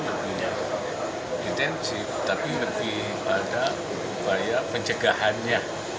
lebihnya intensif tapi lebih pada upaya pencegahannya